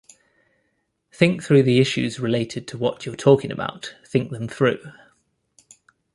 Think through the issues related to what you're talking about-think them through.